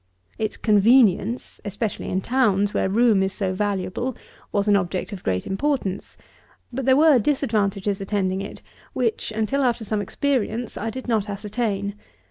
Its convenience, especially in towns, where room is so valuable, was an object of great importance; but there were disadvantages attending it which, until after some experience, I did not ascertain.